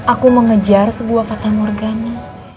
aku mengejar sebuah fata morganik